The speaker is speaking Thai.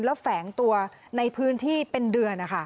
แล้วแฝงตัวในพื้นที่เป็นเดือนนะคะ